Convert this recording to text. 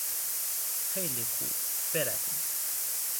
خیلی خوب، برویم.